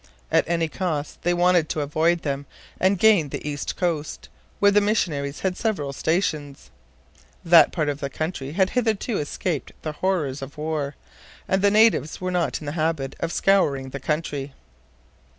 At any cost they wanted to avoid them and gain the east coast, where the missionaries had several stations. That part of the country had hitherto escaped the horrors of war, and the natives were not in the habit of scouring the country.